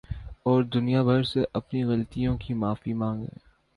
اور دنیا بھر سے اپنی غلطیوں کی معافی ما نگے